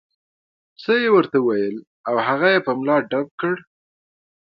څه یې ورته وویل او هغه یې په ملا ډب کړ.